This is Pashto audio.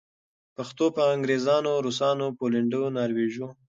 پښتو به انګریزانو، روسانو پولېنډو ناروېژو